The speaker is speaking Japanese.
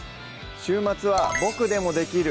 週末は「ボクでもできる！